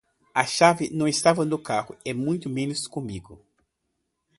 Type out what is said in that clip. As chaves não estavam no carro e muito menos comigo.